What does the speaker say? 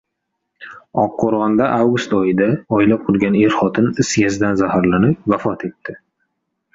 Oqqo‘rg‘onda avgust oyida oila qurgan er-xotin is gazidan zaharlanib, vafot etdi